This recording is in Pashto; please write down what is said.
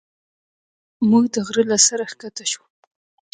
موږ د غره له سره ښکته شوو.